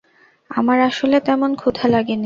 আমার আসলে তেমন ক্ষুধা লাগেনি।